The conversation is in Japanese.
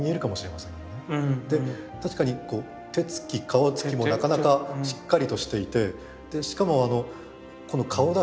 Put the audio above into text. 確かに手つき顔つきもなかなかしっかりとしていてしかもこの顔だちがですね